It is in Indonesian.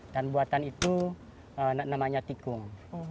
dan buatan itu namanya tikung